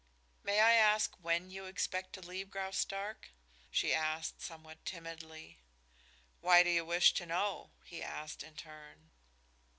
"May I ask when you expect to leave Graustark?" she asked, somewhat timidly. "Why do you wish to know?" he asked in turn.